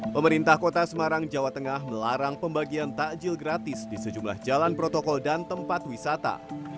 pemerintah kota semarang jawa tengah melarang pembagian takjil gratis di sejumlah jalan protokol dan tempat wisata